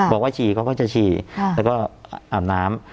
ฉี่เขาก็จะฉี่แล้วก็อาบน้ำ